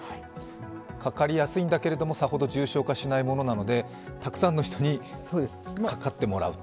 かかりやすいんだけれどもさほど重症化しないものなので、たくさんの人にかかってもらうと。